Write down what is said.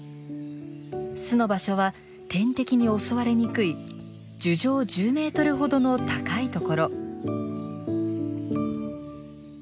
巣の場所は天敵に襲われにくい樹上１０メートルほどの高いところ。